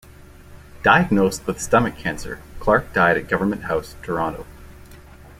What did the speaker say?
Diagnosed with stomach cancer, Clarke died at Government House, Toronto.